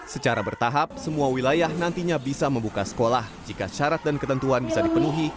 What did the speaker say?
secara bertahap semua wilayah nantinya bisa membuka sekolah jika syarat dan ketentuan bisa dipenuhi